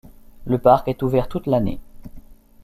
Le parc est ouvert toute l'année.